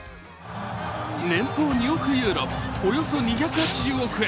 年俸２億ユーロ、およそ２８０億円。